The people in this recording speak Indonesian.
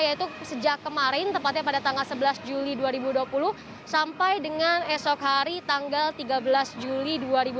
yaitu sejak kemarin tepatnya pada tanggal sebelas juli dua ribu dua puluh sampai dengan esok hari tanggal tiga belas juli dua ribu dua puluh